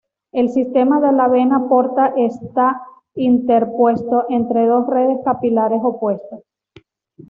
El sistema de la vena porta está interpuesto entre dos redes capilares opuestas.